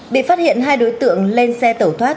bị phát hiện hai đối tượng lên xe tẩu thoát